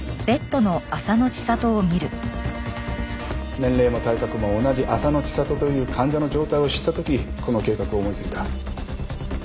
年齢も体格も同じ浅野知里という患者の状態を知った時この計画を思いついた。